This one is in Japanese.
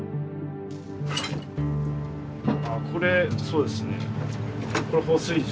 これそうですね